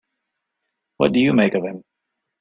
What do you make of him?